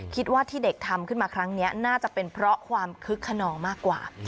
คิดว่าที่เด็กทำขึ้นมาครั้งนี้น่าจะเป็นเพราะความคึกขนองมากกว่า